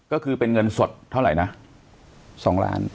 ก็คือเป็นเงินสดเท่าไหร่นะ๒ล้าน